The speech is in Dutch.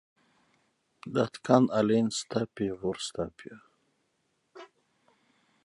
Dat kan alleen stapje voor stapje.